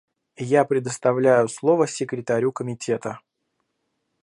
Я предоставляю слово Секретарю Комитета.